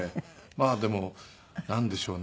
まあでもなんでしょうね。